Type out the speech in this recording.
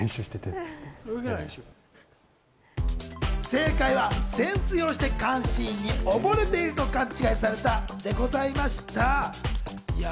正解は、潜水をして監視員に溺れていると勘違いされたでございました。